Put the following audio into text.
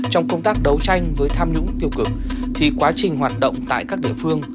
trong công tác đấu tranh với tham nhũng tiêu cực thì quá trình hoạt động tại các địa phương